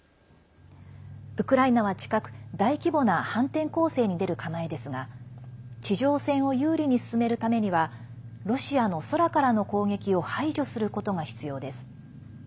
ウクライナは近く、大規模な反転攻勢に出る構えですが地上戦を有利に進めるためにはロシアの空からの攻撃を排除することが必要です。